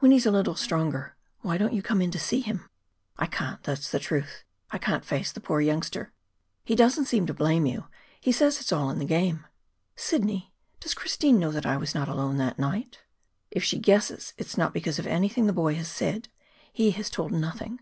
"When he is a little stronger. Why don't you come into see him?" "I can't. That's the truth. I can't face the poor youngster." "He doesn't seem to blame you; he says it's all in the game." "Sidney, does Christine know that I was not alone that night?" "If she guesses, it is not because of anything the boy has said. He has told nothing."